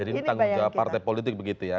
jadi bertanggung jawab partai politik begitu ya